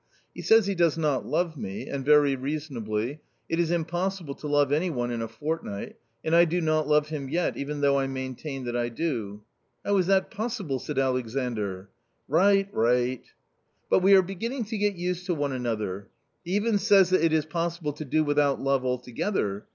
He says he does not love me — and very reasonably ; it is impossible to love any one in a fortnight, and I do not love him yet, even though I maintain that I do." " How is that possible ?" said Alexandr. " Write, write. ' But we are beginning to get used to one another. He even says that it is possible to do without love altogether.